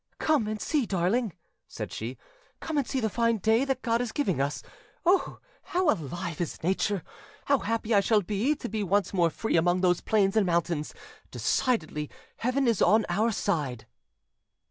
"Come and see, darling," said she,—"come and see the fine day that God is giving us. Oh! how alive is Nature! How happy I shall be to be once more free among those plains and mountains! Decidedly, Heaven is on our side."